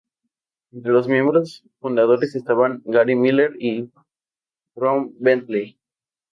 Entre los miembros fundadores estaban Gary Miller y Ron Bentley.